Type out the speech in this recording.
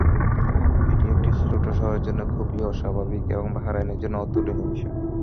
এটি একটি ছোট শহরের জন্য খুবই অস্বাভাবিক এবং বাহরাইনের জন্য অতুলনীয় বিষয়।